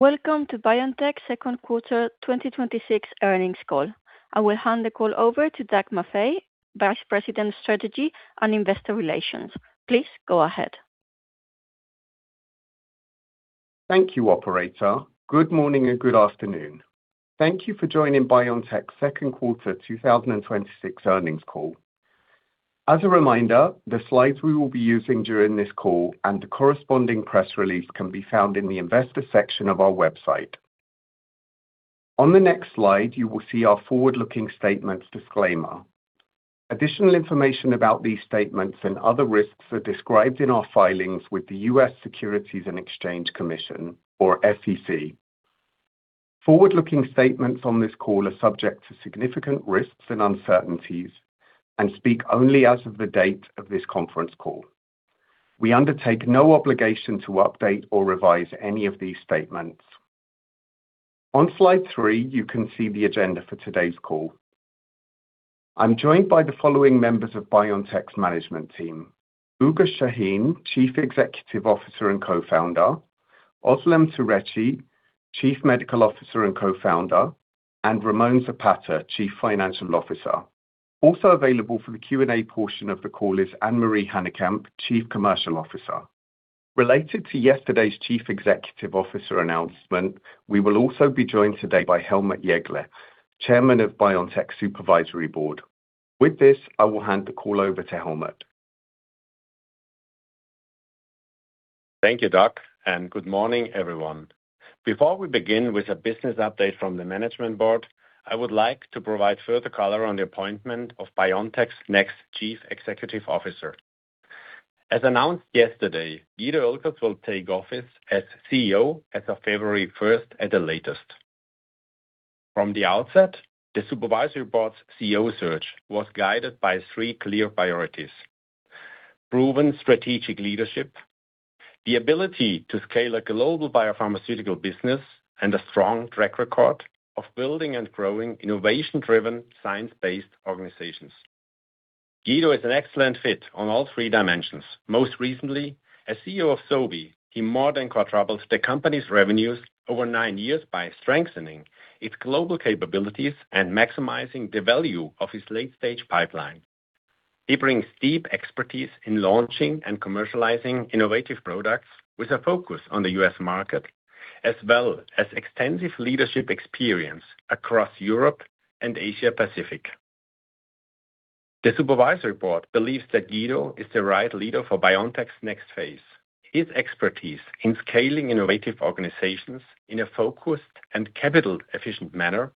Welcome to BioNTech second quarter 2026 earnings call. I will hand the call over to Doug Maffei, Vice President of Strategy and Investor Relations. Please go ahead. Thank you, operator. Good morning and good afternoon. Thank you for joining BioNTech second quarter 2026 earnings call. As a reminder, the slides we will be using during this call and the corresponding press release can be found in the investor section of our website. On the next slide, you will see our forward-looking statements disclaimer. Additional information about these statements and other risks are described in our filings with the U.S. Securities and Exchange Commission, or SEC. Forward-looking statements on this call are subject to significant risks and uncertainties and speak only as of the date of this conference call. We undertake no obligation to update or revise any of these statements. On slide three, you can see the agenda for today's call. I am joined by the following members of BioNTech's management team: Ugur Sahin, Chief Executive Officer and Co-Founder, Özlem Türeci, Chief Medical Officer and Co-Founder, and Ramon Zapata, Chief Financial Officer. Also available for the Q&A portion of the call is Anne Marie Hannekamp, Chief Commercial Officer. Related to yesterday's Chief Executive Officer announcement, we will also be joined today by Helmut Jeggle, Chairman of BioNTech Supervisory Board. With this, I will hand the call over to Helmut. Thank you, Doug, and good morning, everyone. Before we begin with a business update from the management board, I would like to provide further color on the appointment of BioNTech's next chief executive officer. As announced yesterday, Guido Oelkers will take office as CEO as of February 1st at the latest. From the outset, the Supervisory Board's CEO search was guided by three clear priorities: proven strategic leadership, the ability to scale a global biopharmaceutical business, and a strong track record of building and growing innovation-driven, science-based organizations. Guido is an excellent fit on all three dimensions. Most recently, as CEO of Sobi, he more than quadrupled the company's revenues over nine years by strengthening its global capabilities and maximizing the value of its late-stage pipeline. He brings deep expertise in launching and commercializing innovative products with a focus on the U.S. market, as well as extensive leadership experience across Europe and Asia Pacific. The Supervisory Board believes that Guido is the right leader for BioNTech's next phase. His expertise in scaling innovative organizations in a focused and capital-efficient manner,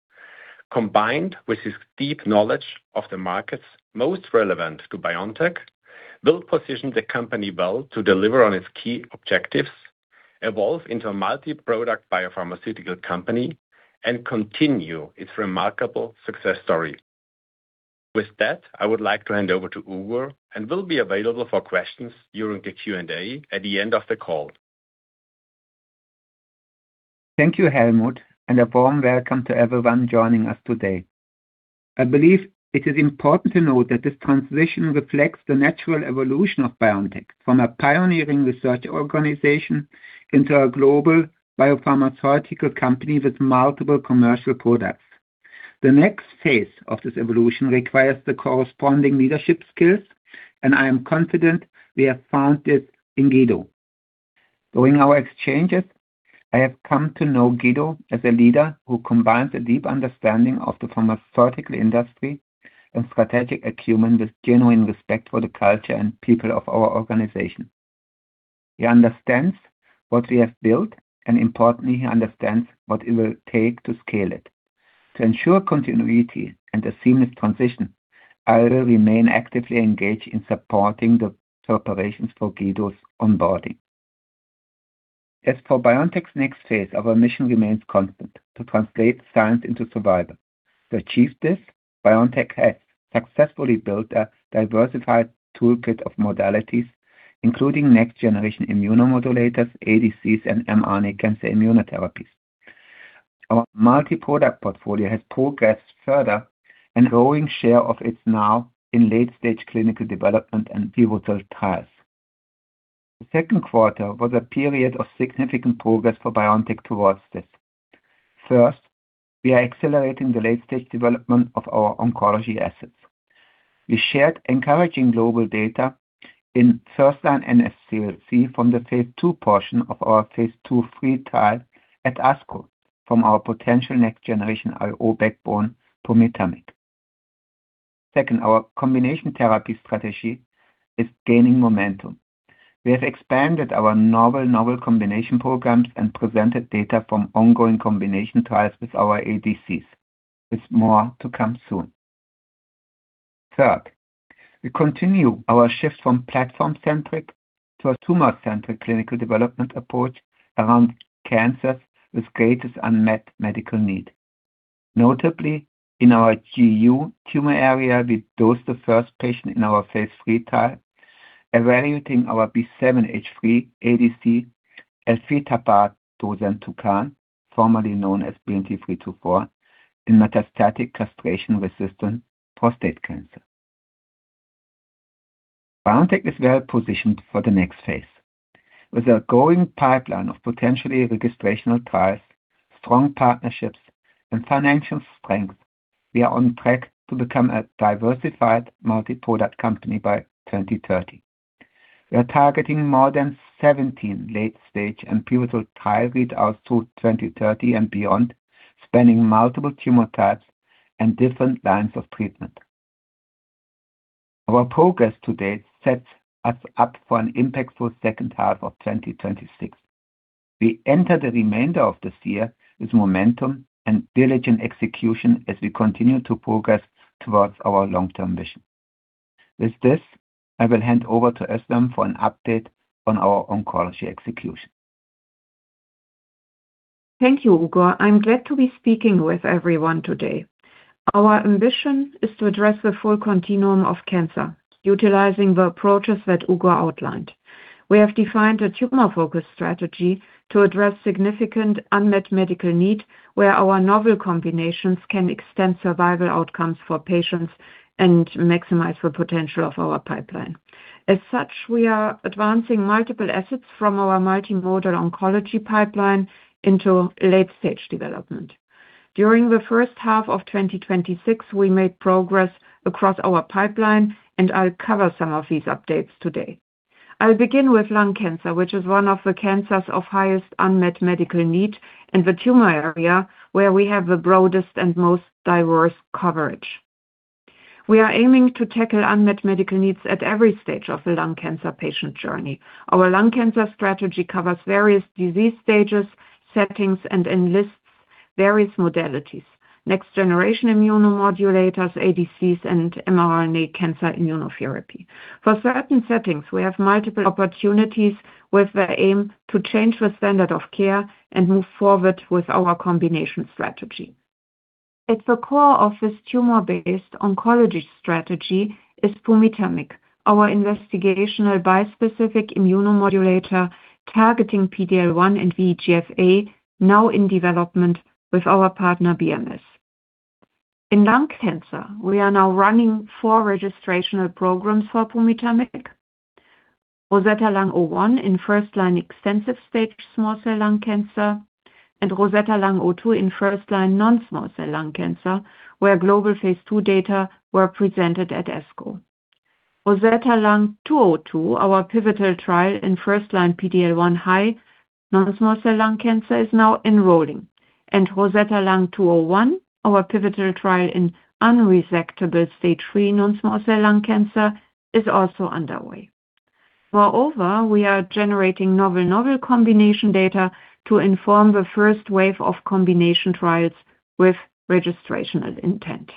combined with his deep knowledge of the markets most relevant to BioNTech, will position the company well to deliver on its key objectives, evolve into a multi-product biopharmaceutical company, and continue its remarkable success story. With that, I would like to hand over to Ugur and will be available for questions during the Q&A at the end of the call. Thank you, Helmut, and a warm welcome to everyone joining us today. I believe it is important to note that this transition reflects the natural evolution of BioNTech from a pioneering research organization into a global biopharmaceutical company with multiple commercial products. The next phase of this evolution requires the corresponding leadership skills, and I am confident we have found it in Guido. During our exchanges, I have come to know Guido as a leader who combines a deep understanding of the pharmaceutical industry and strategic acumen with genuine respect for the culture and people of our organization. He understands what we have built, and importantly, he understands what it will take to scale it. To ensure continuity and a seamless transition, I will remain actively engaged in supporting the preparations for Guido's onboarding. As for BioNTech's next phase, our mission remains constant: to translate science into survival. To achieve this, BioNTech has successfully built a diversified toolkit of modalities, including next generation immunomodulators, ADCs, and mRNA cancer immunotherapies. Our multi-product portfolio has progressed further, and a growing share of it's now in late-stage clinical development and pivotal trials. The second quarter was a period of significant progress for BioNTech towards this. First, we are accelerating the late-stage development of our oncology assets. We shared encouraging global data in first-line NSCLC from the phase II portion of our phase II-III trial at ASCO from our potential next generation IO backbone, pumitamig. Second, our combination therapy strategy is gaining momentum. We have expanded our novel combination programs and presented data from ongoing combination trials with our ADCs, with more to come soon. Third, we continue our shift from platform-centric to a tumor-centric clinical development approach around cancers with greatest unmet medical need. Notably, in our GU tumor area, we dosed the first patient in our phase III trial, evaluating our B7-H3 ADC, elfetabart drozuntecan, formerly known as BNT324, in metastatic castration-resistant prostate cancer. BioNTech is well-positioned for the next phase. With a growing pipeline of potentially registrational trials, strong partnerships, and financial strength, we are on track to become a diversified multi-product company by 2030. We are targeting more than 17 late-stage and pivotal trial readouts through 2030 and beyond, spanning multiple tumor types and different lines of treatment. Our progress to date sets us up for an impactful second half of 2026. We enter the remainder of this year with momentum and diligent execution as we continue to progress towards our long-term vision. With this, I will hand over to Özlem for an update on our oncology execution. Thank you, Ugur. I'm glad to be speaking with everyone today. Our ambition is to address the full continuum of cancer, utilizing the approaches that Ugur outlined. We have defined a tumor-focused strategy to address significant unmet medical need where our novel combinations can extend survival outcomes for patients and maximize the potential of our pipeline. As such, we are advancing multiple assets from our multimodal oncology pipeline into late-stage development. During the first half of 2026, we made progress across our pipeline, and I'll cover some of these updates today. I'll begin with lung cancer, which is one of the cancers of highest unmet medical need in the tumor area where we have the broadest and most diverse coverage. We are aiming to tackle unmet medical needs at every stage of the lung cancer patient journey. Our lung cancer strategy covers various disease stages, settings, and enlists various modalities. Next-generation immunomodulators, ADCs, and mRNA cancer immunotherapy. For certain settings, we have multiple opportunities with the aim to change the standard of care and move forward with our combination strategy. At the core of this tumor-based oncology strategy is pumitamig, our investigational bispecific immunomodulator targeting PD-L1 and VEGF-A, now in development with our partner BMS. In lung cancer, we are now running four registrational programs for pumitamig. ROSETTA-Lung 01 in first-line extensive stage small cell lung cancer, ROSETTA-Lung 02 in first-line non-small cell lung cancer, where global phase II data were presented at ASCO. ROSETTA-Lung 202, our pivotal trial in first-line PD-L1 high non-small cell lung cancer is now enrolling. ROSETTA-Lung 201, our pivotal trial in unresectable Stage 3 non-small cell lung cancer is also underway. We are generating novel combination data to inform the first wave of combination trials with registrational intent.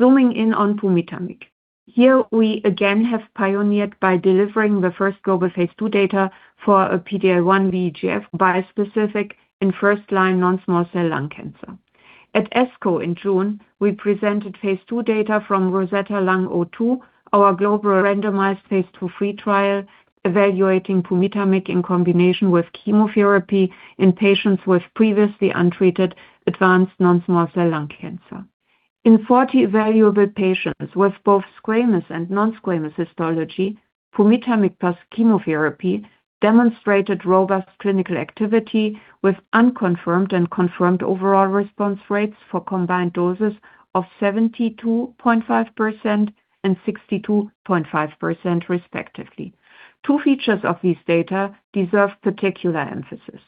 Zooming in on pumitamig. Here we again have pioneered by delivering the first global phase II data for a PD-L1 VEGF bispecific in first-line non-small cell lung cancer. At ASCO in June, we presented phase II data from ROSETTA-Lung 02, our global randomized phase II/III trial evaluating pumitamig in combination with chemotherapy in patients with previously untreated advanced non-small cell lung cancer. In 40 evaluable patients with both squamous and non-squamous histology, pumitamig plus chemotherapy demonstrated robust clinical activity with unconfirmed and confirmed overall response rates for combined doses of 72.5% and 62.5% respectively. Two features of this data deserve particular emphasis.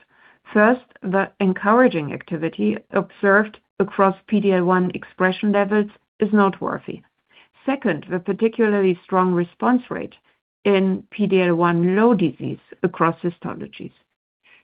First, the encouraging activity observed across PD-L1 expression levels is noteworthy. Second, the particularly strong response rate in PD-L1 low disease across histologies.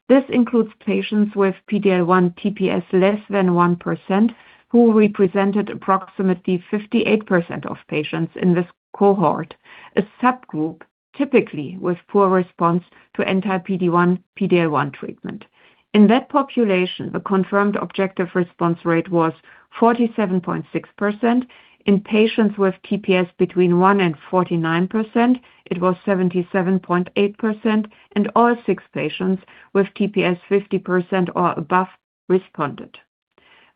This includes patients with PD-L1 TPS less than 1%, who represented approximately 58% of patients in this cohort, a subgroup typically with poor response to anti-PD-1, PD-L1 treatment. In that population, the confirmed objective response rate was 47.6%. In patients with TPS between 1% and 49%, it was 77.8%, and all six patients with TPS 50% or above responded.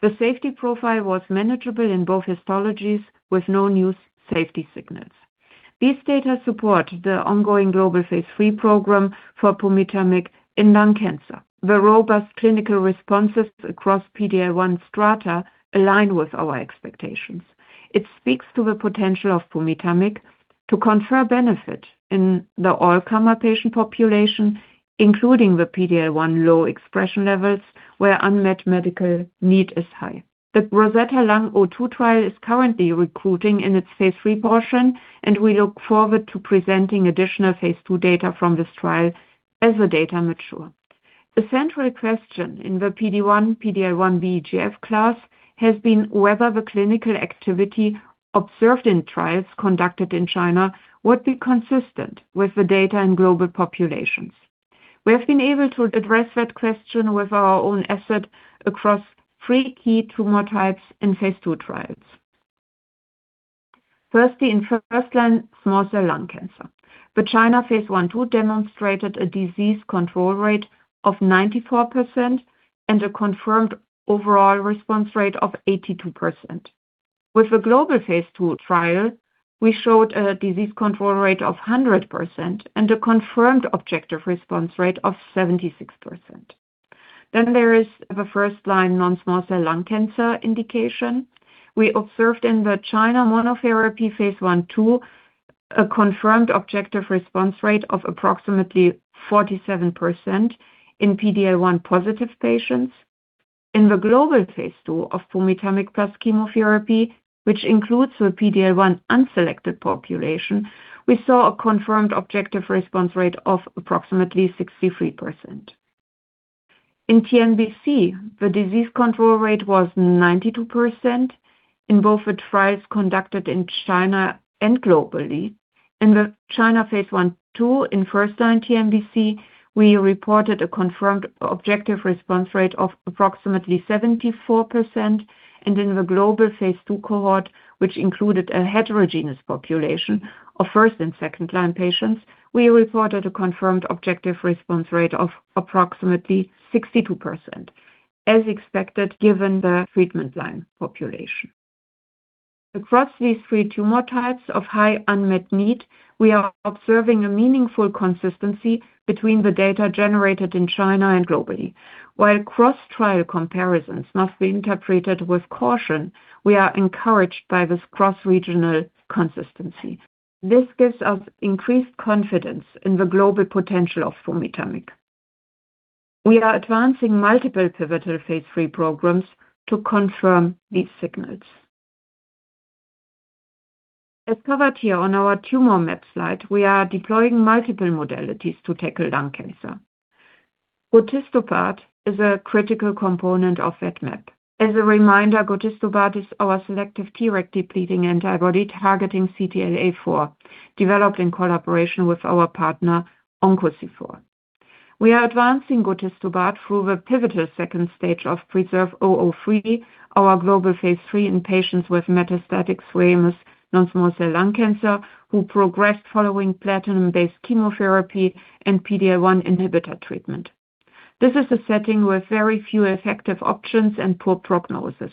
The safety profile was manageable in both histologies with no new safety signals. These data support the ongoing global phase III program for pumitamig in lung cancer. The robust clinical responses across PD-L1 strata align with our expectations. It speaks to the potential of pumitamig to confer benefit in the all-comer patient population, including the PD-L1 low expression levels where unmet medical need is high. The ROSETTA-Lung 02 trial is currently recruiting in its phase III portion, and we look forward to presenting additional phase II data from this trial as the data mature. The central question in the PD-1, PD-L1, VEGF class has been whether the clinical activity observed in trials conducted in China would be consistent with the data in global populations. We have been able to address that question with our own asset across three key tumor types in phase II trials. Firstly, in first-line small cell lung cancer. The China phase I/II demonstrated a disease control rate of 94% and a confirmed overall response rate of 82%. With the global phase II trial, we showed a disease control rate of 100% and a confirmed objective response rate of 76%. There is the first-line non-small cell lung cancer indication. We observed in the China monotherapy phase I/II, a confirmed objective response rate of approximately 47% in PD-L1 positive patients. In the global phase II of pumitamig plus chemotherapy, which includes a PD-L1 unselected population, we saw a confirmed objective response rate of approximately 63%. In TNBC, the disease control rate was 92% in both the trials conducted in China and globally. In the China phase I/II, in first-line TNBC, we reported a confirmed objective response rate of approximately 74%, and in the global phase II cohort, which included a heterogeneous population of first- and second-line patients, we reported a confirmed objective response rate of approximately 62%, as expected given the treatment line population. Across these three tumor types of high unmet need, we are observing a meaningful consistency between the data generated in China and globally. While cross-trial comparisons must be interpreted with caution, we are encouraged by this cross-regional consistency. This gives us increased confidence in the global potential of pumitamig. We are advancing multiple pivotal phase III programs to confirm these signals. As covered here on our tumor map slide, we are deploying multiple modalities to tackle lung cancer. gotistobart is a critical component of that map. As a reminder, gotistobart is our selective TREG-depleting antibody targeting CTLA-4, developed in collaboration with our partner, OncoC4. We are advancing gotistobart through the pivotal Stage 2 of PRESERVE-003, our global phase III in patients with metastatic squamous, non-small cell lung cancer who progressed following platinum-based chemotherapy and PD-L1 inhibitor treatment. This is a setting with very few effective options and poor prognosis.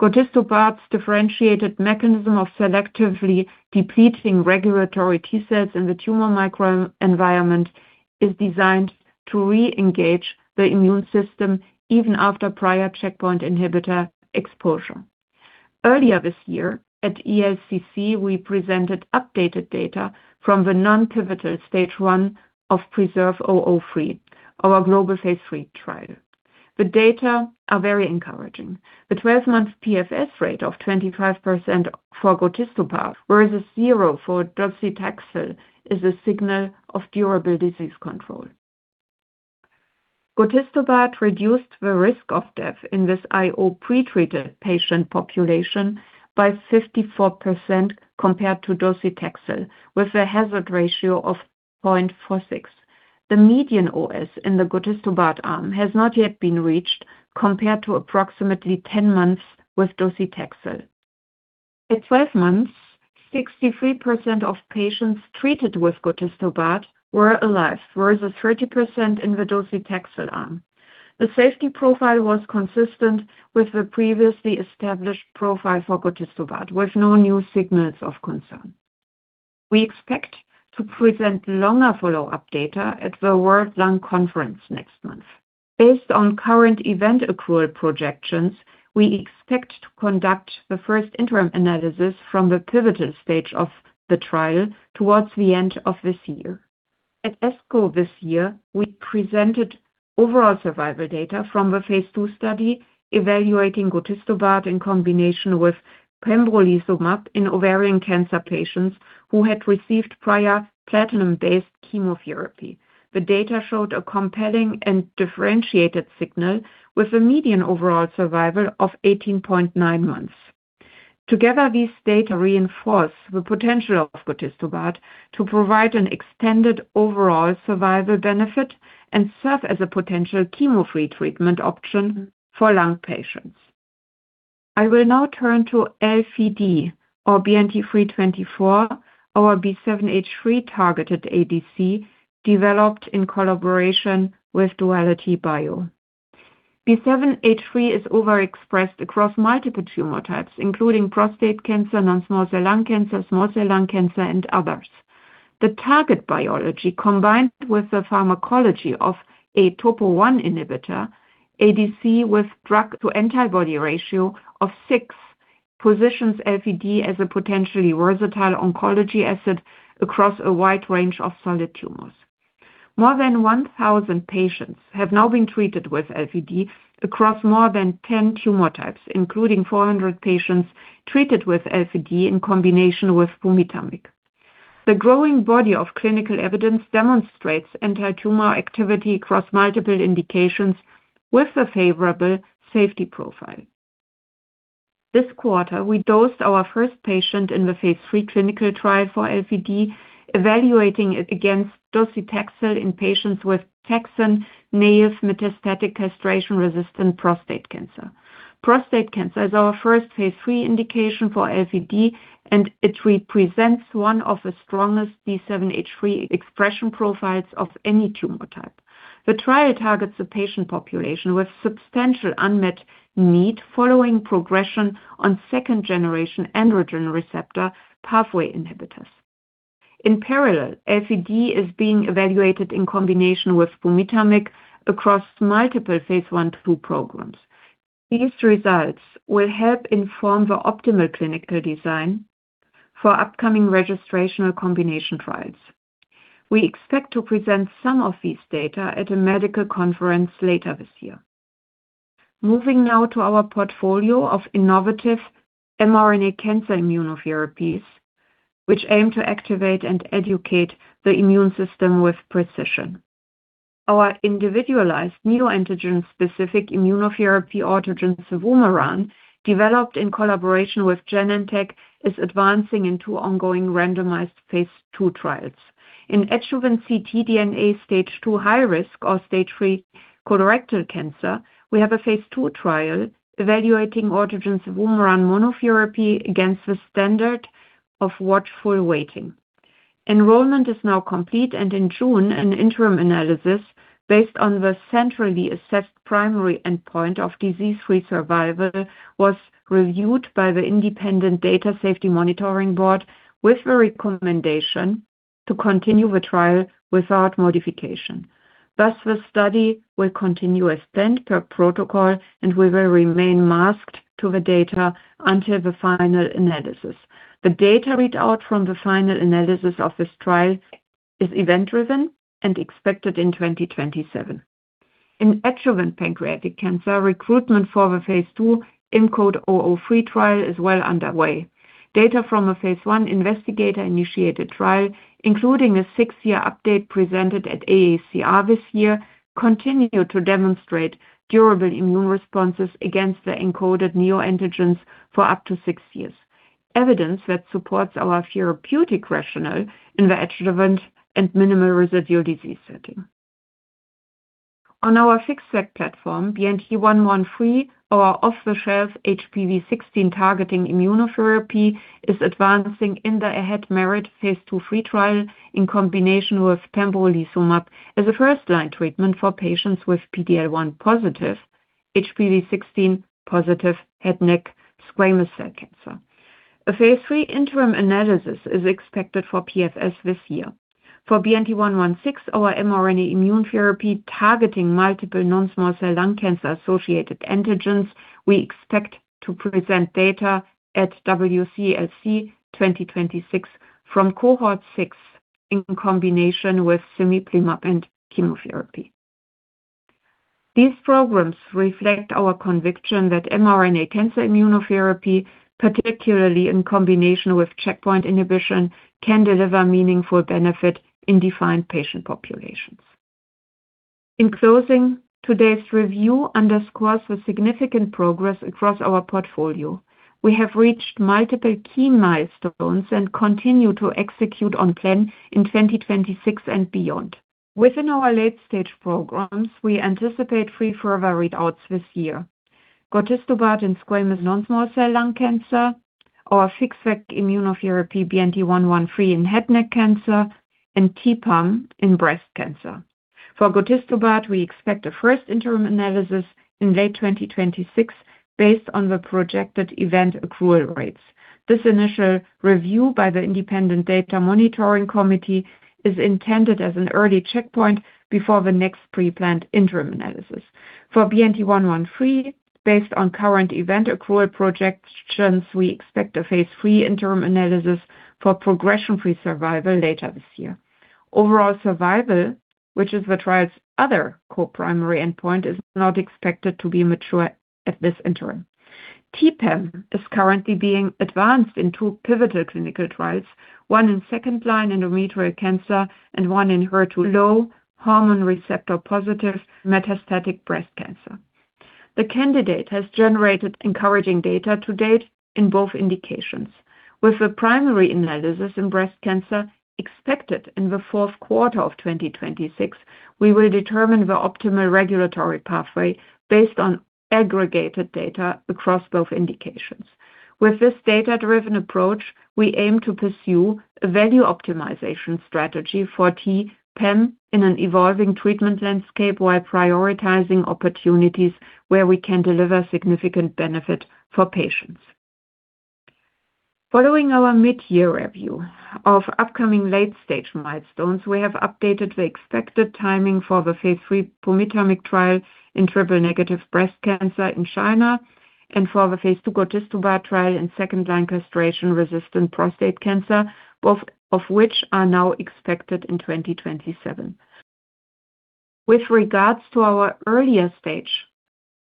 Gotistobart's differentiated mechanism of selectively depleting regulatory T-cells in the tumor microenvironment is designed to re-engage the immune system even after prior checkpoint inhibitor exposure. Earlier this year at ELCC, we presented updated data from the non-pivotal Stage 1 of PRESERVE-003, our global phase III trial. The data are very encouraging. The 12-month PFS rate of 25% for gotistobart versus zero for docetaxel is a signal of durable disease control. gotistobart reduced the risk of death in this IO pre-treated patient population by 54% compared to docetaxel, with a hazard ratio of 0.46. The median OS in the gotistobart arm has not yet been reached, compared to approximately 10 months with docetaxel. At 12 months, 63% of patients treated with gotistobart were alive, versus 30% in the docetaxel arm. The safety profile was consistent with the previously established profile for gotistobart, with no new signals of concern. We expect to present longer follow-up data at the World Conference on Lung Cancer next month. Based on current event accrual projections, we expect to conduct the first interim analysis from the pivotal stage of the trial towards the end of this year. At ASCO this year, we presented overall survival data from the phase II study evaluating gotistobart in combination with pembrolizumab in ovarian cancer patients who had received prior platinum-based chemotherapy. The data showed a compelling and differentiated signal with a median overall survival of 18.9 months. Together, these data reinforce the potential of gotistobart to provide an extended overall survival benefit and serve as a potential chemo-free treatment option for lung patients. I will now turn to LFD, or BNT324, our B7-H3-targeted ADC developed in collaboration with DualityBio. B7-H3 is overexpressed across multiple tumor types, including prostate cancer, non-small cell lung cancer, small cell lung cancer, and others. The target biology, combined with the pharmacology of a Topo 1 inhibitor, ADC with drug to antibody ratio of six, positions LFD as a potentially versatile oncology asset across a wide range of solid tumors. More than 1,000 patients have now been treated with LFD across more than 10 tumor types, including 400 patients treated with LFD in combination with pumitamig. The growing body of clinical evidence demonstrates anti-tumor activity across multiple indications with a favorable safety profile. This quarter, we dosed our first patient in the phase III clinical trial for LFD, evaluating it against docetaxel in patients with taxane-naive metastatic castration-resistant prostate cancer. Prostate cancer is our first phase III indication for LFD, and it represents one of the strongest B7-H3 expression profiles of any tumor type. The trial targets the patient population with substantial unmet need following progression on second-generation androgen receptor pathway inhibitors. In parallel, LFD is being evaluated in combination with pumitamig across multiple phase I/II programs. These results will help inform the optimal clinical design for upcoming registrational combination trials. We expect to present some of these data at a medical conference later this year. Moving now to our portfolio of innovative mRNA cancer immunotherapies, which aim to activate and educate the immune system with precision. Our individualized neoantigen-specific immunotherapy, autogene cevumeran, developed in collaboration with Genentech, is advancing into ongoing randomized phase II trials. In adjuvant ctDNA Stage 2 high risk or Stage 3 colorectal cancer, we have a phase II trial evaluating autogene cevumeran monotherapy against the standard of watchful waiting. Enrollment is now complete, and in June, an interim analysis based on the centrally assessed primary endpoint of disease-free survival was reviewed by the independent Data Safety Monitoring Board with the recommendation to continue the trial without modification. The study will continue as planned per protocol, and we will remain masked to the data until the final analysis. The data readout from the final analysis of this trial is event-driven and expected in 2027. In adjuvant pancreatic cancer, recruitment for the phase II IMcode-003 trial is well underway. Data from a phase I investigator-initiated trial, including a six-year update presented at AACR this year, continue to demonstrate durable immune responses against the encoded neoantigens for up to six years, evidence that supports our therapeutic rationale in the adjuvant and minimal residual disease setting. On our FixVac platform, BNT113, our off-the-shelf HPV16-targeting immunotherapy, is advancing in the AHEAD-MERIT phase II/III trial in combination with pembrolizumab as a first-line treatment for patients with PD-L1-positive, HPV16-positive head neck squamous cell cancer. A phase III interim analysis is expected for PFS this year. For BNT116, our mRNA immunotherapy targeting multiple non-small cell lung cancer-associated antigens, we expect to present data at WCLC 2026 from Cohort 6 in combination with cemiplimab and chemotherapy. These programs reflect our conviction that mRNA cancer immunotherapy, particularly in combination with checkpoint inhibition, can deliver meaningful benefit in defined patient populations. In closing, today's review underscores the significant progress across our portfolio. We have reached multiple key milestones and continue to execute on plan in 2026 and beyond. Within our late-stage programs, we anticipate three further readouts this year. Gotistobart in squamous non-small cell lung cancer, our FixVac immunotherapy BNT113 in head and neck cancer, and T-PAM in breast cancer. For gotistobart, we expect a first interim analysis in late 2026 based on the projected event accrual rates. This initial review by the independent Data Monitoring Committee is intended as an early checkpoint before the next pre-planned interim analysis. For BNT113, based on current event accrual projections, we expect a phase III interim analysis for progression-free survival later this year. Overall survival, which is the trial's other core primary endpoint, is not expected to be mature at this interim. T-PAM is currently being advanced in two pivotal clinical trials, one in second-line endometrial cancer and one in HER2-low hormone receptor-positive metastatic breast cancer. The candidate has generated encouraging data to date in both indications. With the primary analysis in breast cancer expected in the fourth quarter of 2026, we will determine the optimal regulatory pathway based on aggregated data across both indications. With this data-driven approach, we aim to pursue a value optimization strategy for T-PAM in an evolving treatment landscape while prioritizing opportunities where we can deliver significant benefit for patients. Following our mid-year review of upcoming late-stage milestones, we have updated the expected timing for the phase III pumitamig trial in triple-negative breast cancer in China and for the phase II gotistobart trial in second-line castration-resistant prostate cancer, both of which are now expected in 2027. With regards to our earlier-stage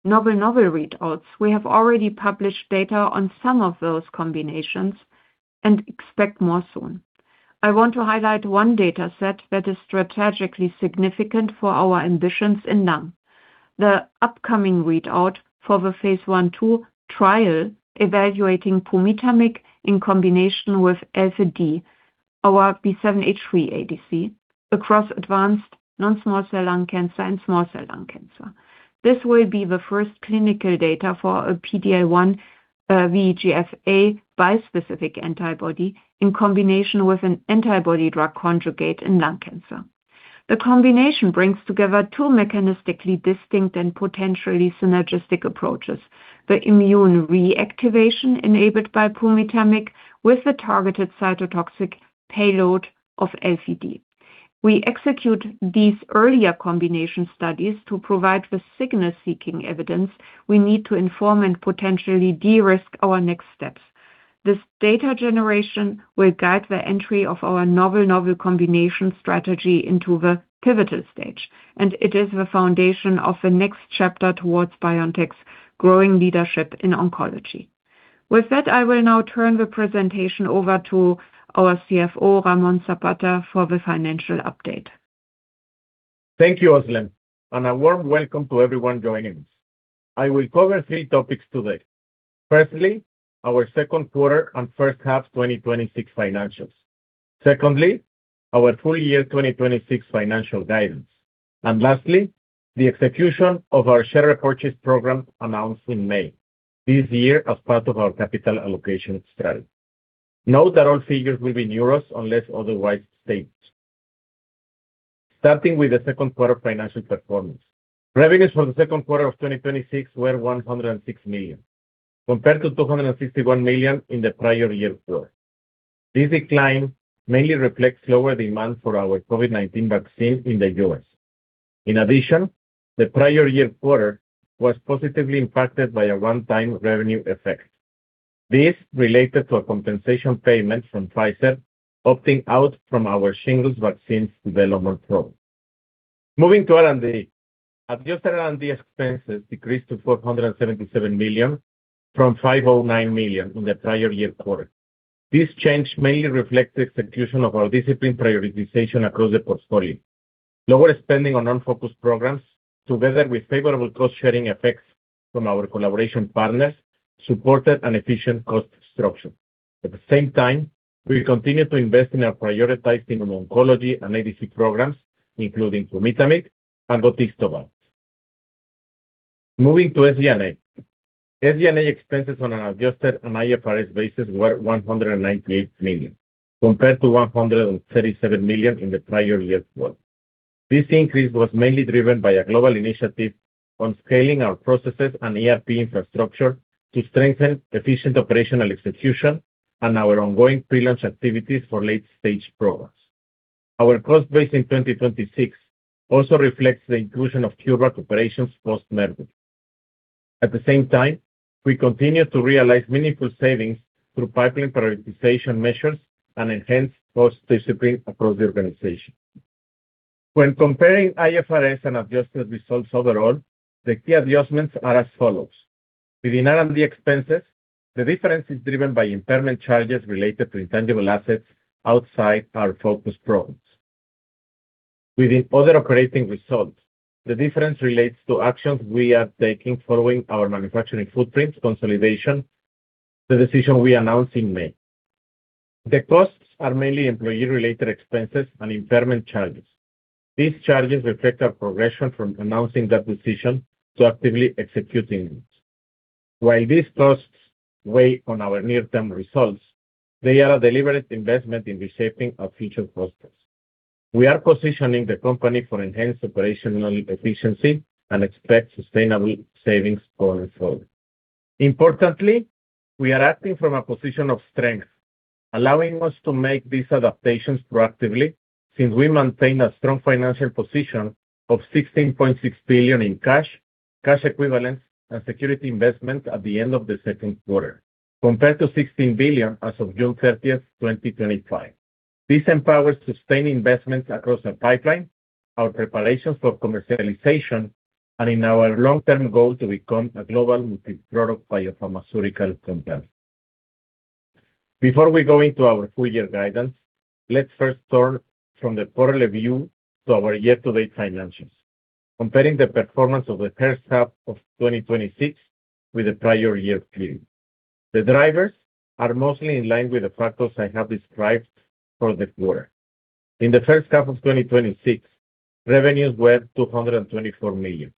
novel/novel readouts, we have already published data on some of those combinations and expect more soon. I want to highlight one data set that is strategically significant for our ambitions in lung, the upcoming readout for the phase I/II trial evaluating pumitamig in combination with BNT324, our B7-H3 ADC, across advanced non-small cell lung cancer and small cell lung cancer. This will be the first clinical data for a PD-L1 VEGF-A bispecific antibody in combination with an antibody drug conjugate in lung cancer. The combination brings together two mechanistically distinct and potentially synergistic approaches, the immune reactivation enabled by pumitamig with the targeted cytotoxic payload of BNT324. We execute these earlier combination studies to provide the signal seeking evidence we need to inform and potentially de-risk our next steps. This data generation will guide the entry of our novel/novel combination strategy into the pivotal stage and it is the foundation of the next chapter towards BioNTech's growing leadership in oncology. With that, I will now turn the presentation over to our CFO, Ramon Zapata, for the financial update. Thank you, Özlem, and a warm welcome to everyone joining us. I will cover three topics today. Firstly, our second quarter and first half 2026 financials. Secondly, our full year 2026 financial guidance. Lastly, the execution of our share purchase program announced in May this year as part of our capital allocation strategy. Note that all figures will be in EUR unless otherwise stated. Starting with the second quarter financial performance. Revenues for the second quarter of 2026 were 106 million, compared to 261 million in the prior year quarter. This decline mainly reflects lower demand for our COVID-19 vaccine in the U.S. In addition, the prior year quarter was positively impacted by a one-time revenue effect. This related to a compensation payment from Pfizer opting out from our shingles vaccine development program. Moving to R&D. Adjusted R&D expenses decreased to 477 million from 509 million in the prior year quarter. This change mainly reflects the execution of our disciplined prioritization across the portfolio. Lower spending on unfocused programs, together with favorable cost-sharing effects from our collaboration partners, supported an efficient cost structure. At the same time, we continue to invest in our prioritized immuno-oncology and ADC programs, including pumitamig and gotistobart. Moving to SG&A. SG&A expenses on an adjusted and IFRS basis were 198 million, compared to 137 million in the prior year's quarter. This increase was mainly driven by a global initiative on scaling our processes and ERP infrastructure to strengthen efficient operational execution and our ongoing pre-launch activities for late-stage products. Our cost base in 2026 also reflects the inclusion of CureVac operations post-merger. At the same time, we continue to realize meaningful savings through pipeline prioritization measures and enhanced cost discipline across the organization. When comparing IFRS and adjusted results overall, the key adjustments are as follows. Within R&D expenses, the difference is driven by impairment charges related to intangible assets outside our focused programs. Within other operating results, the difference relates to actions we are taking following our manufacturing footprint consolidation, the decision we announced in May. The costs are mainly employee-related expenses and impairment charges. These charges reflect our progression from announcing that decision to actively executing it. While these costs weigh on our near-term results, they are a deliberate investment in reshaping our future cost base. We are positioning the company for enhanced operational efficiency and expect sustainable savings going forward. Importantly, we are acting from a position of strength, allowing us to make these adaptations proactively since we maintain a strong financial position of 16.6 billion in cash equivalents, and security investments at the end of the second quarter, compared to 16 billion as of June 30th, 2025. This empowers sustained investments across our pipeline, our preparations for commercialization, and in our long-term goal to become a global multi-product biopharmaceutical company. Before we go into our full-year guidance, let's first turn from the quarter review to our year-to-date financials, comparing the performance of the first half of 2026 with the prior year period. The drivers are mostly in line with the factors I have described for the quarter. In the first half of 2026, revenues were 224 million.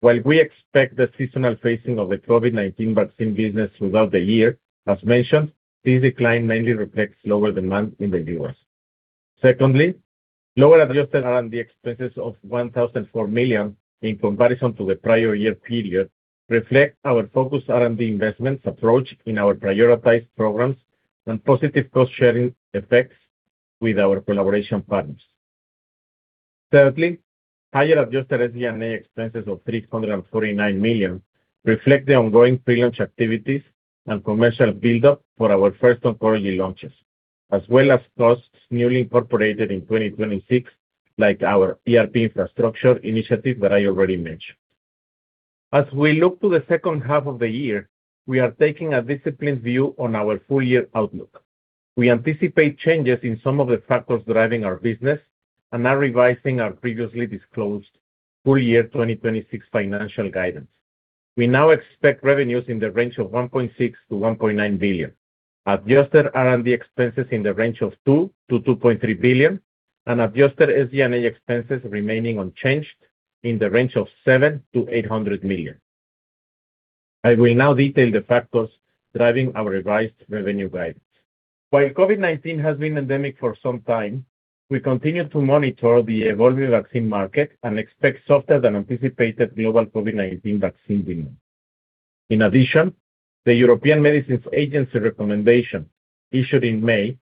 While we expect the seasonal phasing of the COVID-19 vaccine business throughout the year, as mentioned, this decline mainly reflects lower demand in the U.S. Secondly, lower adjusted R&D expenses of 1,004 million in comparison to the prior year period reflect our focused R&D investments approach in our prioritized programs and positive cost-sharing effects with our collaboration partners. Thirdly, higher adjusted SG&A expenses of 349 million reflect the ongoing pre-launch activities and commercial buildup for our first oncology launches, as well as costs newly incorporated in 2026, like our ERP infrastructure initiative that I already mentioned. As we look to the second half of the year, we are taking a disciplined view on our full-year outlook. We anticipate changes in some of the factors driving our business and are revising our previously disclosed full-year 2026 financial guidance. We now expect revenues in the range of 1.6 billion-1.9 billion. Adjusted R&D expenses in the range of 2 billion-2.3 billion, and adjusted SG&A expenses remaining unchanged in the range of 700 million-800 million. I will now detail the factors driving our revised revenue guidance. While COVID-19 has been endemic for some time, we continue to monitor the evolving vaccine market and expect softer-than-anticipated global COVID-19 vaccine demand. In addition, the European Medicines Agency recommendation issued in May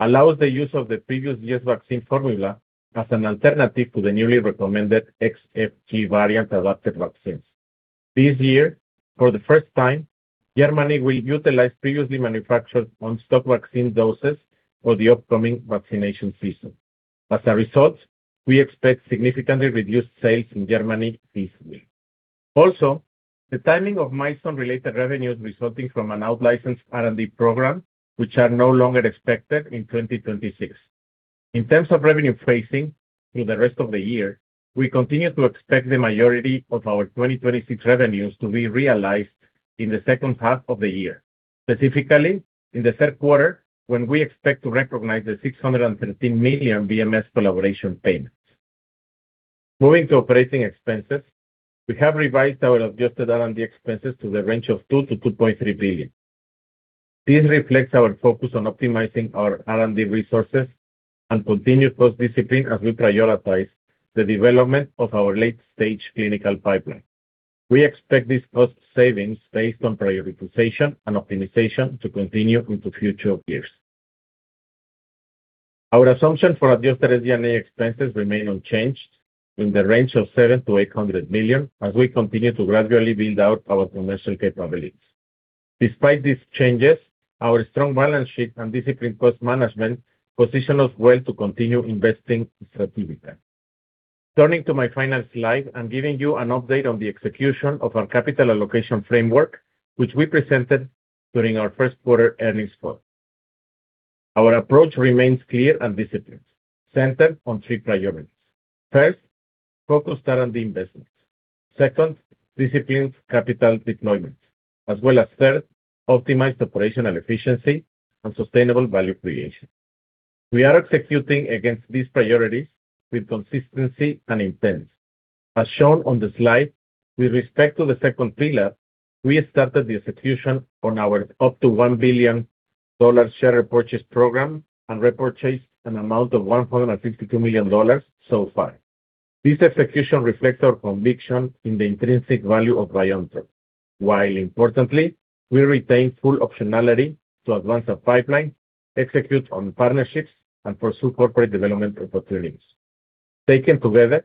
allows the use of the previous year's vaccine formula as an alternative to the newly recommended XFG variant-adapted vaccines. This year, for the first time, Germany will utilize previously manufactured on-stock vaccine doses for the upcoming vaccination season. As a result, we expect significantly reduced sales in Germany this week. Also, the timing of milestone related revenues resulting from an out-licensed R&D program, which are no longer expected in 2026. In terms of revenue phasing through the rest of the year, we continue to expect the majority of our 2026 revenues to be realized in the second half of the year, specifically in the third quarter when we expect to recognize the 613 million BMS collaboration payment. Moving to operating expenses, we have revised our adjusted R&D expenses to the range of 2 billion-2.3 billion. This reflects our focus on optimizing our R&D resources and continued cost discipline as we prioritize the development of our late-stage clinical pipeline. We expect these cost savings based on prioritization and optimization to continue into future years. Our assumption for adjusted SG&A expenses remain unchanged in the range of 700 million-800 million as we continue to gradually build out our commercial capabilities. Despite these changes, our strong balance sheet and disciplined cost management position us well to continue investing strategically. Turning to my final slide, I'm giving you an update on the execution of our capital allocation framework, which we presented during our first quarter earnings call. Our approach remains clear and disciplined, centered on three priorities. First, focus R&D investments. Second, disciplined capital deployment. As well as third, optimized operational efficiency and sustainable value creation. We are executing against these priorities with consistency and intent. As shown on the slide, with respect to the second pillar, we started the execution on our up to $1 billion share repurchase program and repurchased an amount of $152 million so far. This execution reflects our conviction in the intrinsic value of BioNTech, while importantly, we retain full optionality to advance our pipeline, execute on partnerships, and pursue corporate development opportunities. Taken together,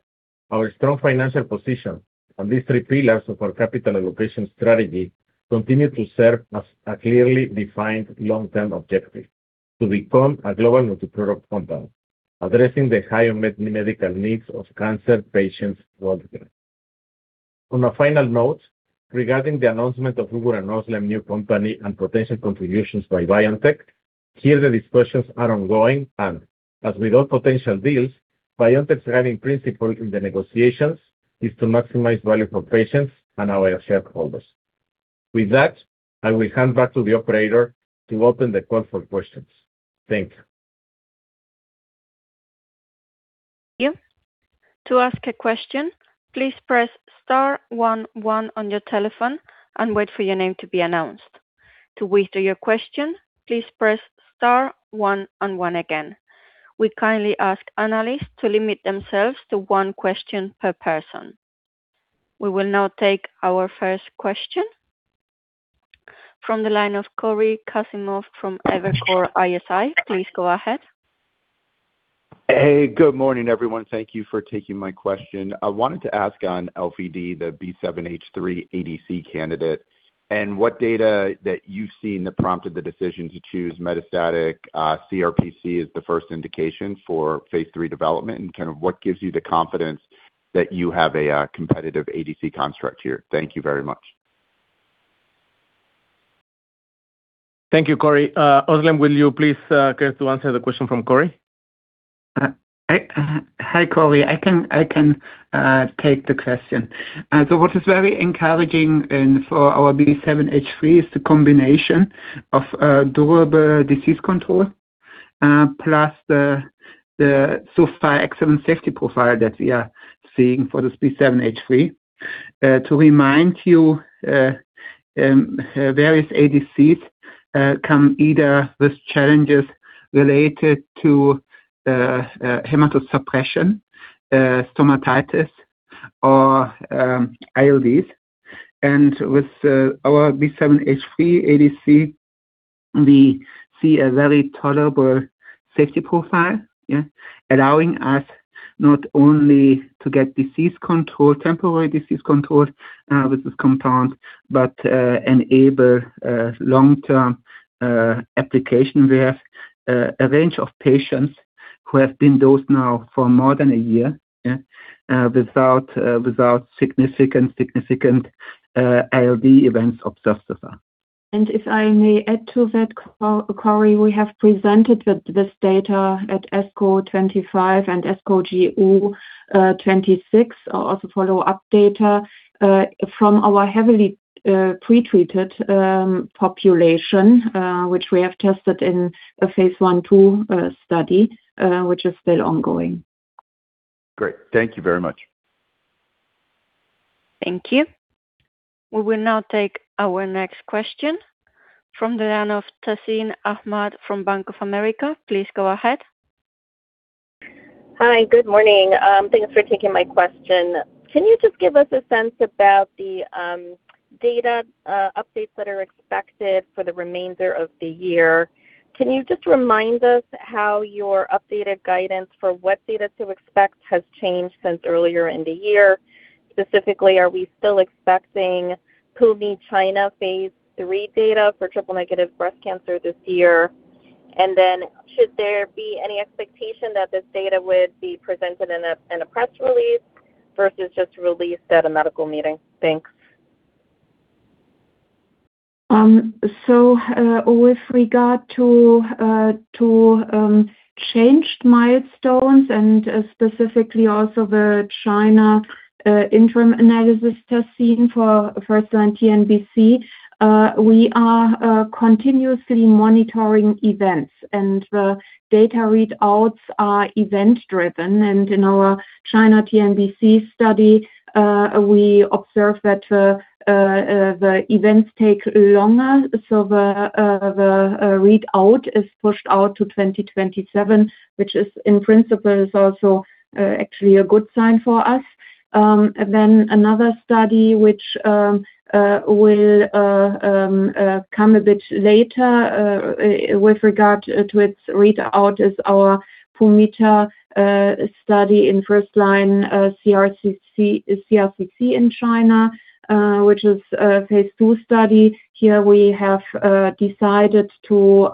our strong financial position on these three pillars of our capital allocation strategy continue to serve as a clearly defined long-term objective to become a global multi-product company, addressing the high unmet medical needs of cancer patients worldwide. On a final note, regarding the announcement of Ugur and Özlem's new company and potential contributions by BioNTech, the discussions are ongoing, and as with all potential deals, BioNTech's guiding principle in the negotiations is to maximize value for patients and our shareholders. With that, I will hand back to the operator to open the call for questions. Thank you. To ask a question, please press star one one on your telephone and wait for your name to be announced. To withdraw your question, please press star one and one again. We kindly ask analysts to limit themselves to one question per person. We will now take our first question from the line of Cory Kasimov from Evercore ISI. Please go ahead. Hey, good morning, everyone. Thank you for taking my question. I wanted to ask on BNT324, the B7-H3 ADC candidate, and what data that you've seen that prompted the decision to choose metastatic CRPC as the first indication for phase III development, and kind of what gives you the confidence that you have a competitive ADC construct here? Thank you very much. Thank you, Cory. Özlem, will you please care to answer the question from Cory? Hi, Cory. What is very encouraging for our B7H3 is the combination of durable disease control, plus the so far excellent safety profile that we are seeing for this B7H3. To remind you, various ADCs come either with challenges related to hematosuppression, stomatitis, or ILDs. With our B7H3 ADC, we see a very tolerable safety profile, allowing us not only to get temporary disease control with this compound but enable long-term application. We have a range of patients who have been dosed now for more than a year, without significant ILD events observed so far If I may add to that, Cory, we have presented this data at ASCO 25 and ASCO GU 26, also follow-up data from our heavily pretreated population which we have tested in a phase I/II study, which is still ongoing. Great. Thank you very much. Thank you. We will now take our next question from the line of Tazeen Ahmad from Bank of America. Please go ahead. Hi, good morning. Thanks for taking my question. Can you just give us a sense about the data updates that are expected for the remainder of the year? Can you just remind us how your updated guidance for what data to expect has changed since earlier in the year? Specifically, are we still expecting pumitamig phase III data for triple-negative breast cancer this year? Should there be any expectation that this data would be presented in a press release versus just released at a medical meeting? Thanks. With regard to changed milestones and specifically also the China interim analysis testing for first-line TNBC, we are continuously monitoring events, and the data readouts are event-driven. In our China TNBC study, we observed that the events take longer, so the readout is pushed out to 2027, which in principle is also actually a good sign for us. Another study which will come a bit later with regard to its readout is our pumitamig study in first-line CRCC in China, which is a phase II study. Here we have decided to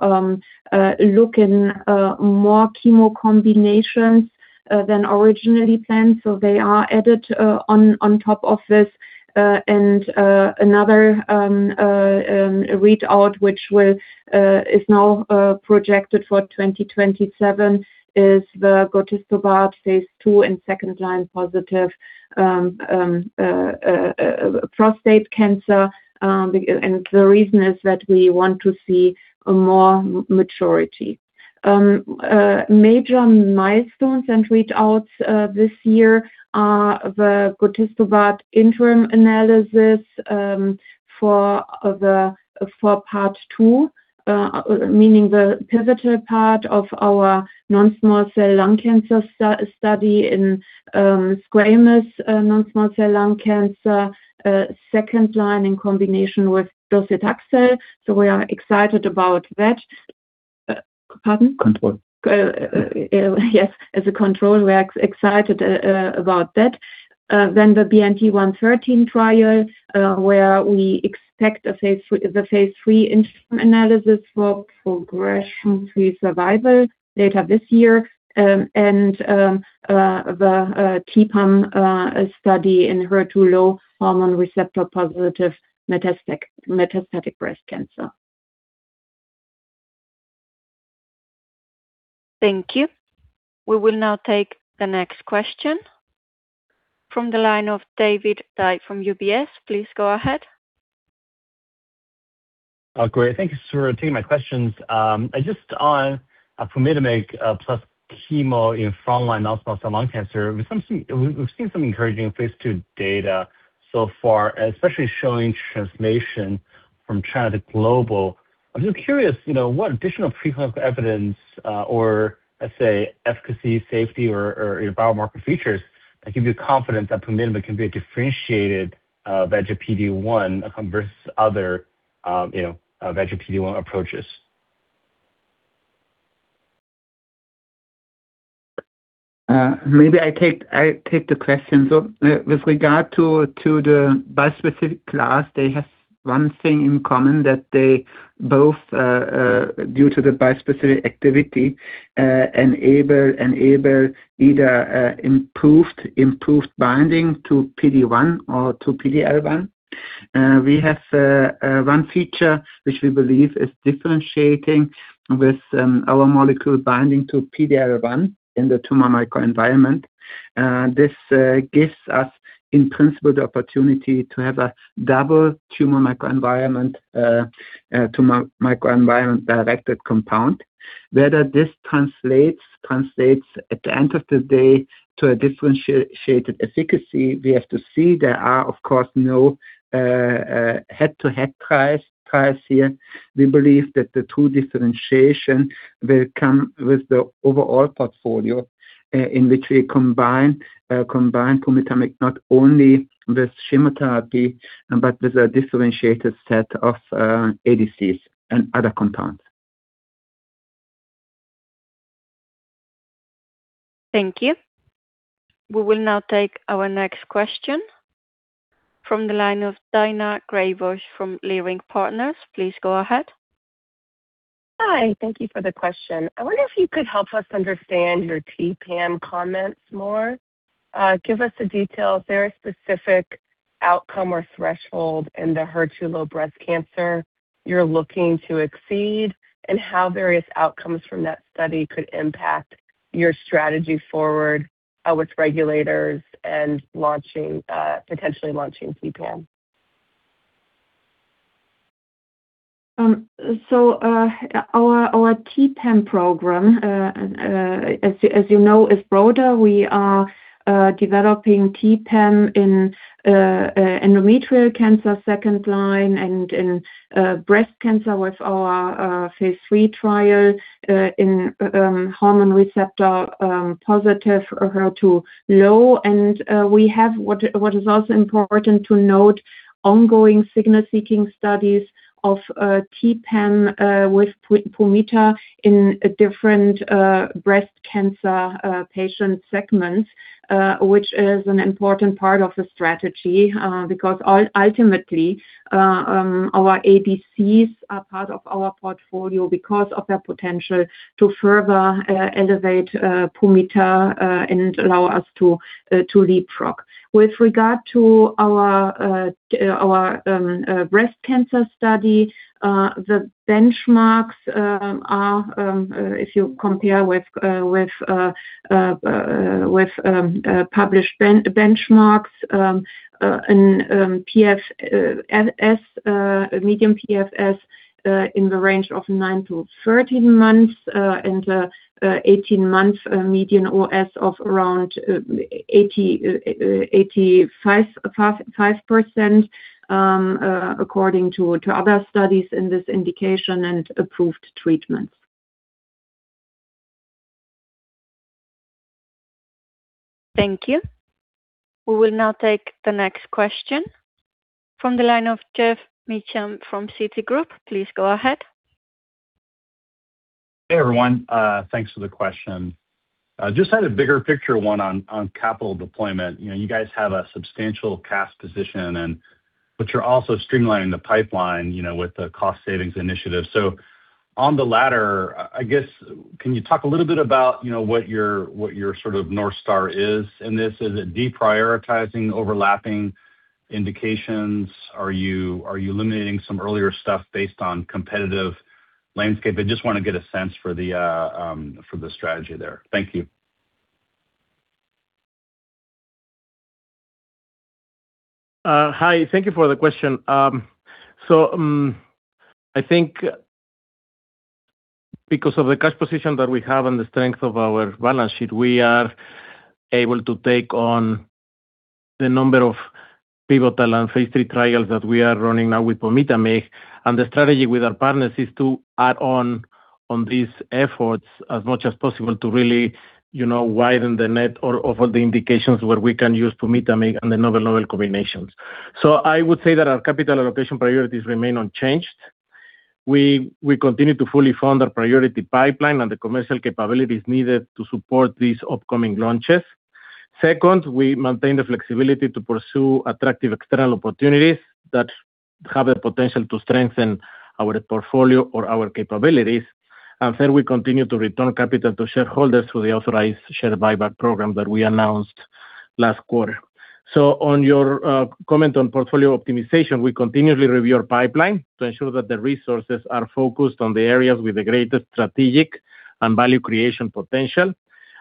look in more chemo combinations than originally planned, so they are added on top of this. Another readout, which is now projected for 2027, is the gotistobart phase II in second-line positive prostate cancer. The reason is that we want to see more maturity. Major milestones and readouts this year are the gotistobart interim analysis for part two, meaning the pivotal part of our non-small cell lung cancer study in squamous non-small cell lung cancer, second-line in combination with docetaxel. We are excited about that. Pardon? Control. Yes, as a control. We are excited about that. The BNT113 trial, where we expect the phase III interim analysis for progression-free survival later this year, and the T-PAM study in HER2-low hormone receptor-positive metastatic breast cancer. Thank you. We will now take the next question from the line of David Dai from UBS. Please go ahead. Great. Thank you, sir, for taking my questions. Just on pumitamig plus chemo in front-line non-small cell lung cancer, we've seen some encouraging phase II data so far, especially showing translation from China to global. I'm just curious, what additional preclinical evidence or, let's say, efficacy, safety, or biomarker features give you confidence that pumitamig can be differentiated versus PD-1 versus other VEGF/PD-1 approaches? Maybe I take the question. With regard to the bispecific class, they have one thing in common, that they both, due to the bispecific activity, enable either improved binding to PD-1 or to PD-L1. We have one feature which we believe is differentiating with our molecule binding to PD-L1 in the tumor microenvironment. This gives us, in principle, the opportunity to have a double tumor microenvironment-directed compound. Whether this translates at the end of the day to a differentiated efficacy, we have to see. There are, of course, no head-to-head trials here. We believe that the true differentiation will come with the overall portfolio in which we combine pumitamig not only with chemotherapy but with a differentiated set of ADCs and other compounds. Thank you. We will now take our next question from the line of Daina Graybosch from Leerink Partners. Please go ahead. Hi, thank you for the question. I wonder if you could help us understand your TPAM comments more. Give us the details. Is there a specific outcome or threshold in the HER2-low breast cancer you're looking to exceed, and how various outcomes from that study could impact your strategy forward with regulators and potentially launching TPAM? Our TPAM program, as you know, is broader. We are developing TPAM in endometrial cancer, second line, and in breast cancer with our phase III trial in hormone receptor-positive HER2-low. We have, what is also important to note, ongoing signal-seeking studies of TPAM with pumitamig in a different breast cancer patient segment, which is an important part of the strategy. Ultimately, our ADCs are part of our portfolio because of their potential to further elevate pumitamig and allow us to leapfrog. With regard to our breast cancer study, the benchmarks are, if you compare with published benchmarks, median PFS in the range of 9-13 months, and an 18-month median OS of around 85%, according to other studies in this indication and approved treatments. Thank you. We will now take the next question from the line of Geoff Meacham from Citigroup. Please go ahead. Hey, everyone. Thanks for the question. Just had a bigger picture one on capital deployment. You guys have a substantial cash position, you're also streamlining the pipeline with the cost savings initiative. On the latter, I guess, can you talk a little bit about what your sort of North Star is in this? Is it deprioritizing overlapping indications? Are you eliminating some earlier stuff based on competitive landscape? I just want to get a sense for the strategy there. Thank you. Hi, thank you for the question. I think because of the cash position that we have and the strength of our balance sheet, we are able to take on the number of pivotal and phase III trials that we are running now with pumitamig. The strategy with our partners is to add on these efforts as much as possible to really widen the net of all the indications where we can use pumitamig and the novel combinations. I would say that our capital allocation priorities remain unchanged. We continue to fully fund our priority pipeline and the commercial capabilities needed to support these upcoming launches. Second, we maintain the flexibility to pursue attractive external opportunities that have the potential to strengthen our portfolio or our capabilities. Third, we continue to return capital to shareholders through the authorized share buyback program that we announced last quarter. On your comment on portfolio optimization, we continuously review our pipeline to ensure that the resources are focused on the areas with the greatest strategic and value creation potential.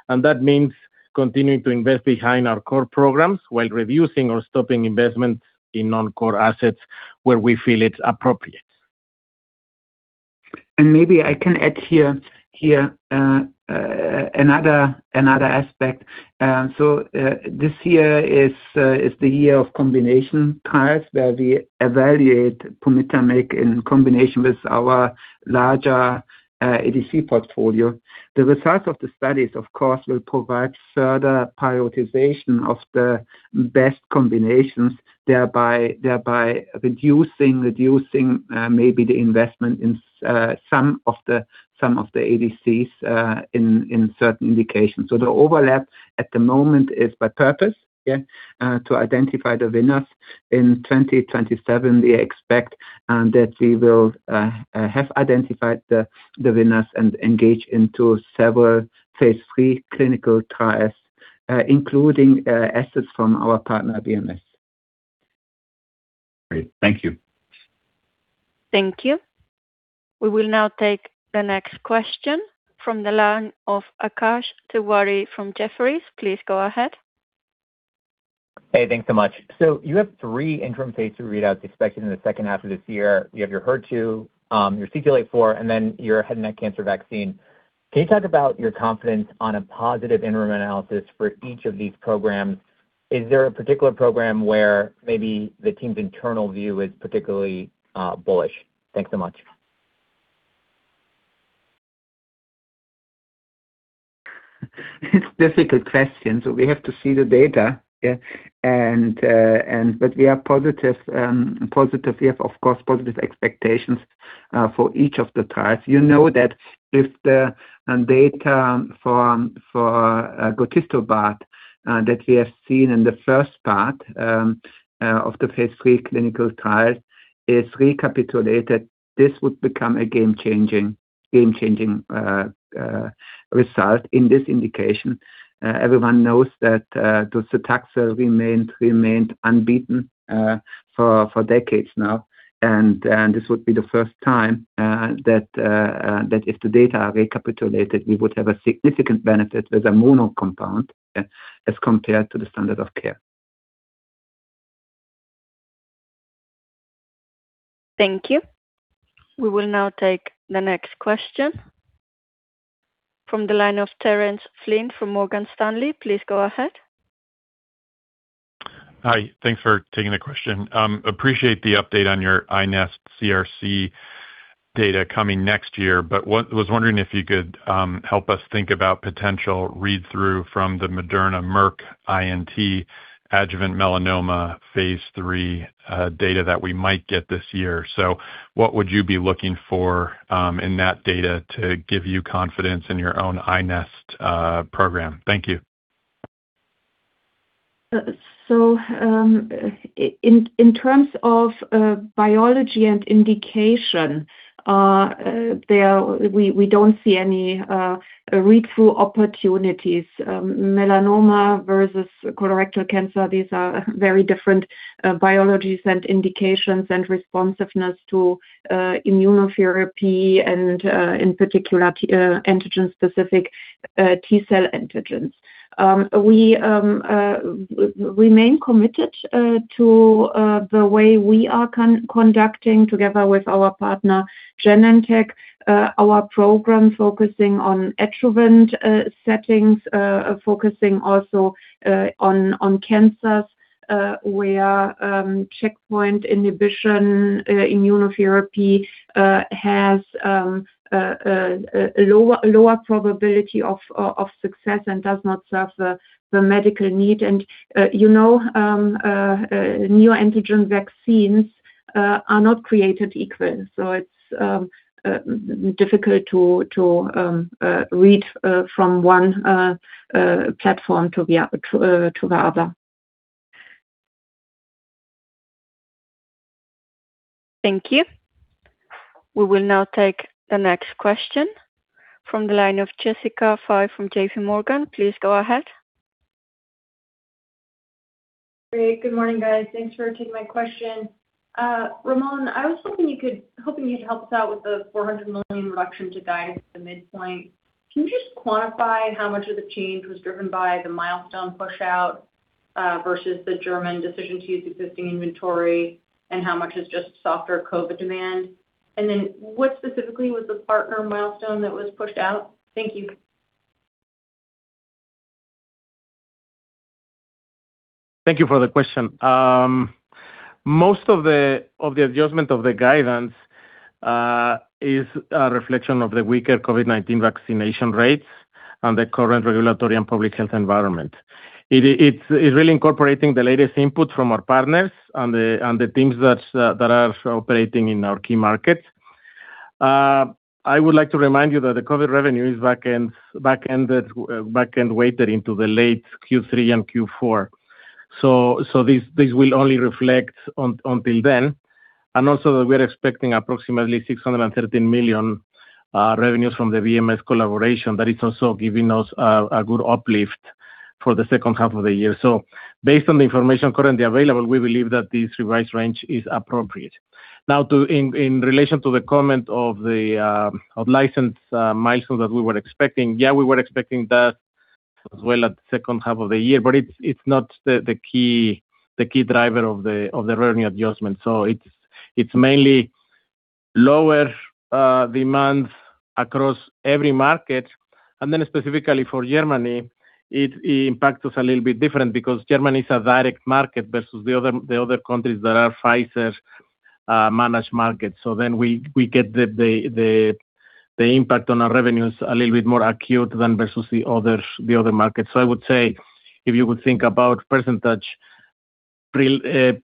That means continuing to invest behind our core programs while reviewing or stopping investments in non-core assets where we feel it's appropriate. Maybe I can add here another aspect. This year is the year of combination trials where we evaluate pumitamig in combination with our larger ADC portfolio. The results of the studies, of course, will provide further prioritization of the best combinations, thereby reducing maybe the investment in some of the ADCs in certain indications. The overlap at the moment is by purpose, yeah, to identify the winners. In 2027, we expect that we will have identified the winners and engage into several phase III clinical trials, including assets from our partner, BMS. Great. Thank you. Thank you. We will now take the next question from the line of Akash Tewari from Jefferies. Please go ahead. Hey, thanks so much. You have three interim phase II readouts expected in the second half of this year. You have your HER2, your CTLA-4, and your Head and Neck cancer vaccine. Can you talk about your confidence on a positive interim analysis for each of these programs? Is there a particular program where maybe the team's internal view is particularly bullish? Thanks so much. It's a difficult question. We have to see the data. Yeah. We are positive. We have, of course, positive expectations for each of the trials. If the data for gotistobart that we have seen in the first part of the phase III clinical trial is recapitulated, this would become a game-changing result in this indication. Everyone knows that docetaxel remained unbeaten for decades now, and this would be the first time that if the data are recapitulated, we would have a significant benefit with a mono compound as compared to the standard of care. Thank you. We will now take the next question from the line of Terence Flynn from Morgan Stanley. Please go ahead. Hi. Thanks for taking the question. Appreciate the update on your iNeST CRC data coming next year, but was wondering if you could help us think about potential read-through from the Moderna/Merck I.N.T. adjuvant melanoma phase III data that we might get this year. What would you be looking for in that data to give you confidence in your own iNeST program? Thank you. In terms of biology and indication, we don't see any read-through opportunities. Melanoma versus colorectal cancer, these are very different biologies and indications and responsiveness to immunotherapy and, in particular, antigen-specific T-cell antigens. We remain committed to the way we are conducting together with our partner, Genentech our program focusing on adjuvant settings, focusing also on cancers where checkpoint inhibition immunotherapy has a lower probability of success and does not serve the medical need. You know new antigen vaccines are not created equal. It's difficult to read from one platform to the other. Thank you. We will now take the next question from the line of Jessica Fye from JPMorgan. Please go ahead. Great. Good morning, guys. Thanks for taking my question. Ramon, I was hoping you'd help us out with the 400 million reduction to guide to the midpoint. Can you just quantify how much of the change was driven by the milestone pushout versus the German decision to use existing inventory and how much is just softer COVID-19 demand? What specifically was the partner milestone that was pushed out? Thank you. Thank you for the question. Most of the adjustment of the guidance is a reflection of the weaker COVID-19 vaccination rates and the current regulatory and public health environment. It is really incorporating the latest input from our partners and the teams that are operating in our key markets. I would like to remind you that the COVID revenue is back-end weighted into the late Q3 and Q4. This will only reflect until then. Also that we're expecting approximately 613 million revenues from the BMS collaboration that is also giving us a good uplift for the second half of the year. Based on the information currently available, we believe that this revised range is appropriate. In relation to the comment of license milestone that we were expecting, yeah, we were expecting that as well at the second half of the year, it's not the key driver of the revenue adjustment. It's mainly lower demand across every market. Specifically for Germany, it impacts us a little bit different because Germany is a direct market versus the other countries that are Pfizer-managed markets. We get the impact on our revenues a little bit more acute than versus the other markets. I would say if you would think about percentage, 80%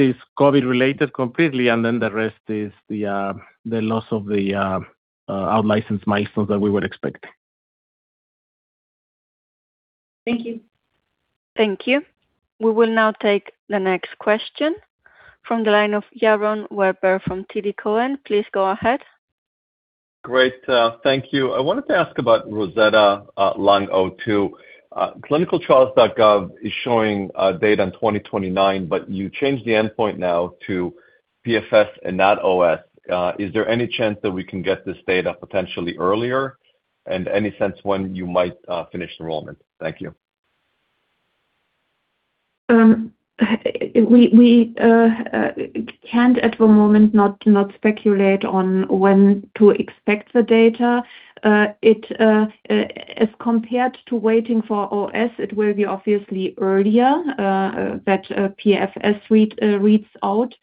is COVID-related completely, the rest is the loss of the out-licensed milestones that we would expect. Thank you. Thank you. We will now take the next question from the line of Yaron Werber from TD Cowen. Please go ahead. Great, thank you. I wanted to ask about ROSETTA-Lung 02. Clinicaltrials.gov is showing data in 2029, but you changed the endpoint now to PFS and not OS. Is there any chance that we can get this data potentially earlier? Any sense when you might finish enrollment? Thank you. We can't at the moment, not speculate on when to expect the data. As compared to waiting for OS, it will be obviously earlier that PFS reads out,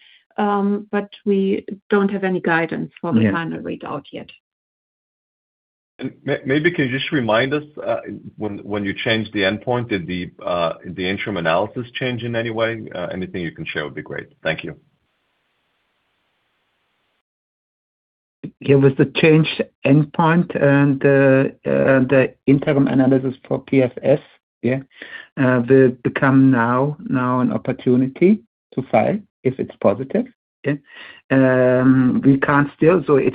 but we don't have any guidance for the final readout yet. Maybe can you just remind us when you changed the endpoint, did the interim analysis change in any way? Anything you can share would be great. Thank you. With the change endpoint and the interim analysis for PFS, they become now an opportunity to file if it's positive. We can't still, so as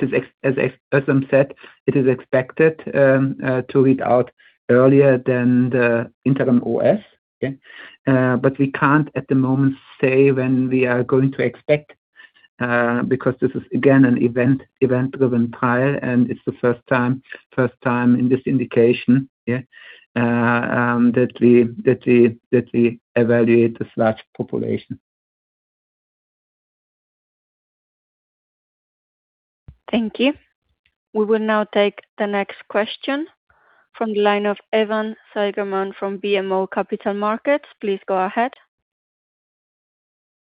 said, it is expected to read out earlier than the interim OS, okay? We can't at the moment say when we are going to expect, because this is again an event-driven trial, and it's the first time in this indication that we evaluate this large population. Thank you. We will now take the next question from the line of Evan Seigerman from BMO Capital Markets. Please go ahead.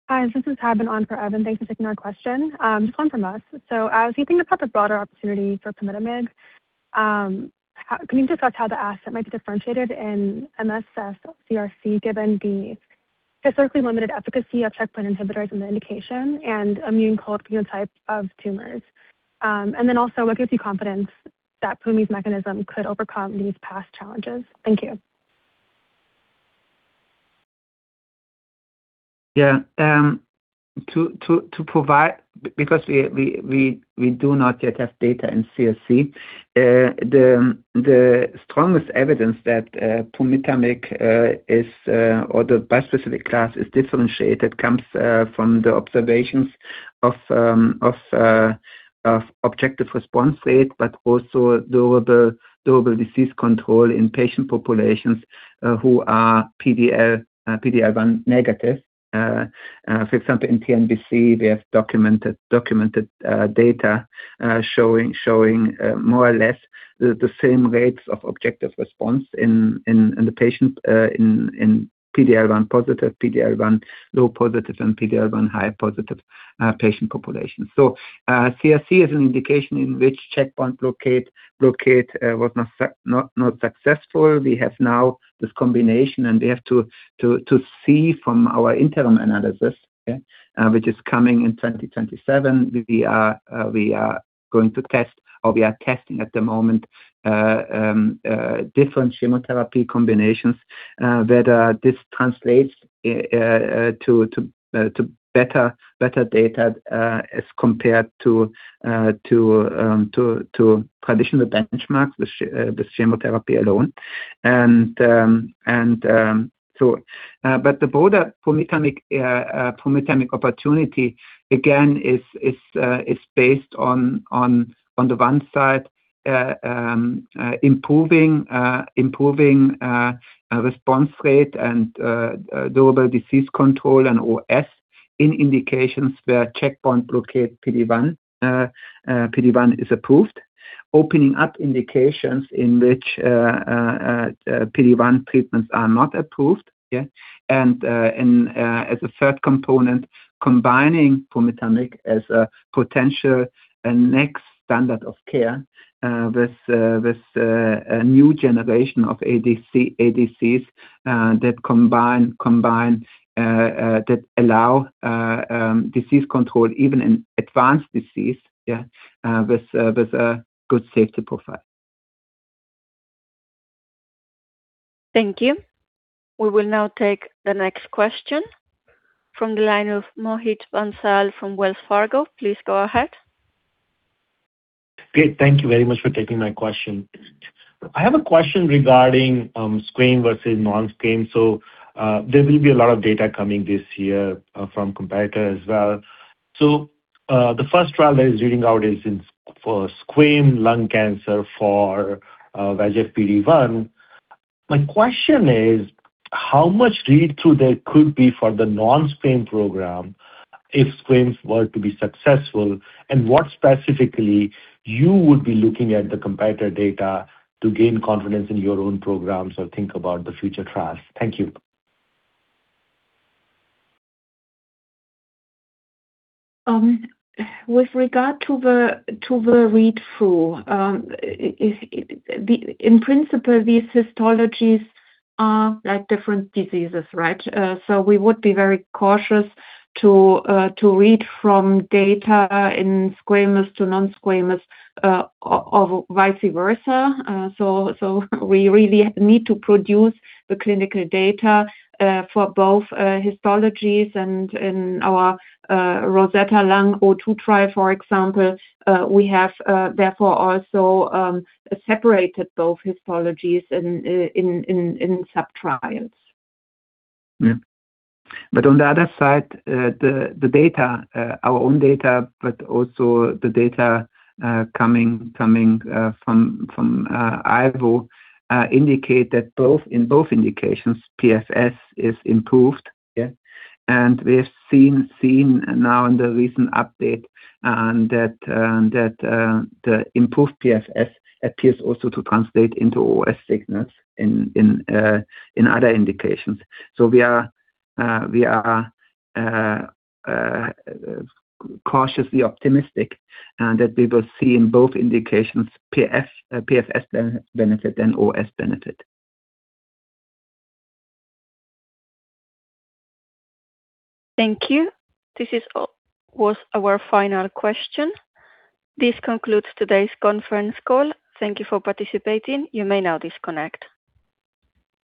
Hi, this is Haven on for Evan. Thanks for taking our question. Just one from us. As you think about the broader opportunity for pumitamig, can you discuss how the asset might be differentiated in MSS, CRC given the historically limited efficacy of checkpoint inhibitors in the indication and immune cold phenotype of tumors? Also, what gives you confidence that Pumi's mechanism could overcome these past challenges? Thank you. To provide, because we do not yet have data in CRC, the strongest evidence that pumitamig or the bispecific class is differentiated comes from the observations of objective response rate, but also durable disease control in patient populations who are PD-L1 negative. For example, in TNBC, we have documented data showing more or less the same rates of objective response in the patient, in PD-L1 positive, PD-L1 low positive, and PD-L1 high positive patient populations. CRC is an indication in which checkpoint blockade was not successful. We have now this combination, and we have to see from our interim analysis, which is coming in 2027. We are going to test, or we are testing at the moment, different chemotherapy combinations, whether this translates to better data as compared to traditional benchmarks, the chemotherapy alone. The broader pumitamig opportunity again is based on the one side, improving response rate and durable disease control and OS in indications where checkpoint blockade PD-1 is approved. Opening up indications in which PD-1 treatments are not approved. As a third component, combining pumitamig as a potential next standard of care with a new generation of ADCs that allow disease control even in advanced disease with a good safety profile. Thank you. We will now take the next question from the line of Mohit Bansal from Wells Fargo. Please go ahead. Great, thank you very much for taking my question. I have a question regarding squamous versus non-squamous. There will be a lot of data coming this year from competitors as well. The first trial that is reading out is for squamous cell lung cancer for VEGF/PD-1. My question is, how much read-through there could be for the non-squamous program if squamous were to be successful, and what specifically you would be looking at the competitor data to gain confidence in your own programs or think about the future trials. Thank you. With regard to the read-through, in principle, these histologies are like different diseases, right? We would be very cautious to read from data in squamous to non-squamous, or vice versa. We really need to produce the clinical data for both histologies. And in our ROSETTA-Lung 02 trial, for example, we have therefore also separated both histologies in sub-trials. On the other side, our own data, but also the data coming from ivonescimab indicate that in both indications, PFS is improved. We have seen now in the recent update that the improved PFS appears also to translate into OS signals in other indications. We are cautiously optimistic that we will see in both indications PFS benefit and OS benefit. Thank you. This was our final question. This concludes today's conference call. Thank you for participating. You may now disconnect.